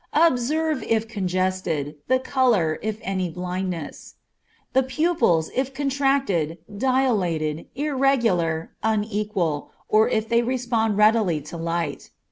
Observe if congested, the color, if any blindness; the pupils, if contracted, dilated, irregular, unequal, or if they respond readily to light.